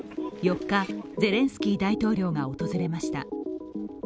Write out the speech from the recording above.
４日、ゼレンスキー大統領が訪れました。